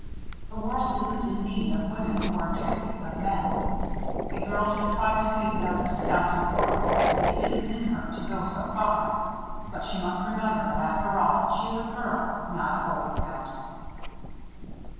The world isn't in need of women who are duplicates of men. A girl should try to be the best scout in the world, if it is in her to go so far, but she must remember that after all she is a Girl, not a Boy Scout.